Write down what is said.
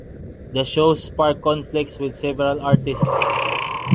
The show sparked conflicts with several artists.